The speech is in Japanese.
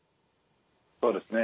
そうですね